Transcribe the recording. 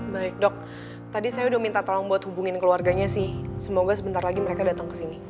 baik dok tadi saya udah minta tolong buat hubungin keluarganya sih semoga sebentar lagi mereka datang ke sini